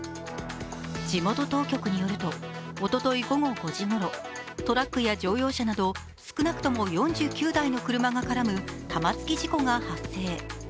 地元当局によると、おととい午後５時ごろトラックや乗用車など少なくとも４９台の車が絡む玉突き事故が発生。